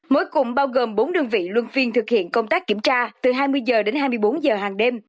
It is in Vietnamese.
mỗi cùng bao gồm bốn đơn vị luân phiên thực hiện công tác kiểm tra từ hai mươi h đến hai mươi bốn h hàng đêm